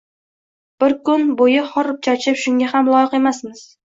Biz kun bo'yi horib-charchab shunga ham loyiq emasmiz